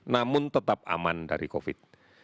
namun tetap aman dari covid sembilan belas